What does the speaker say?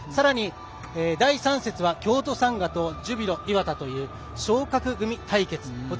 さらに、第３節は京都サンガとジュビロ磐田という昇格組対決。